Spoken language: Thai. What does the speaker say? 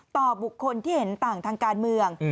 ต่อบุคคลที่เห็นต่างทางการเมือง